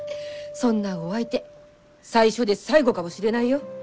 そんなお相手最初で最後かもしれないよ。